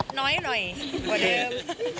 มันอาจจะมีน้อยมาก